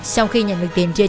sau khi nhận được tiền chia trác